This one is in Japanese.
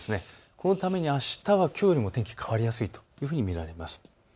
このためにあしたはきょうよりも天気変わりやすいというふうに見られます。